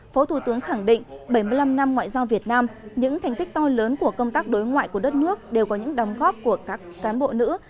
phó thủ tướng khẳng định bảy mươi năm năm ngoại giao việt nam những thành tích to lớn của công tác đối ngoại của đất nước đều có những đóng góp của các cán bộ nữ